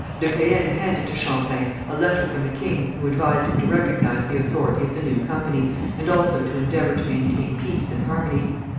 De Caën handed to Champlain a letter from the king, who advised him to recognize the authority of the new company, and also to endeavour to maintain peace and harmony.